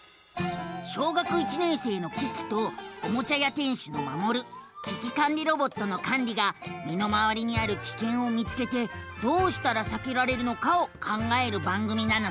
小学１年生のキキとおもちゃ屋店主のマモル危機管理ロボットのカンリがみのまわりにあるキケンを見つけてどうしたらさけられるのかを考える番組なのさ。